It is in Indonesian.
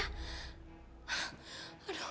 kalo aku bisa menanggung perempuan itu